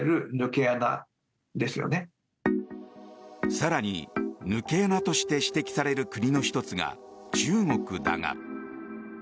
更に、抜け穴として指摘される国の１つが中国だが。